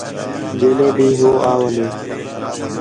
جیلے بھی ہو اولے